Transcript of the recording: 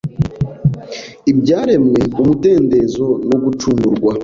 ibyaremwe umudendezo no gucungurwa